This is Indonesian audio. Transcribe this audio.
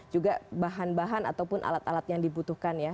juga bahan bahan ataupun alat alat yang dibutuhkan ya